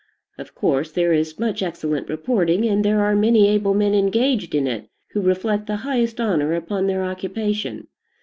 Of course, there is much excellent reporting, and there are many able men engaged in it who reflect the highest honor upon their occupation.